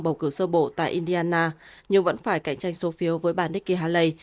bầu cử sơ bộ tại indiana nhưng vẫn phải cạnh tranh số phiếu với bà nikki haley